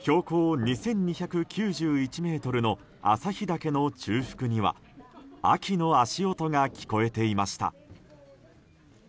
標高２２９１ｍの旭岳の中腹には秋の足音が聞こえていました。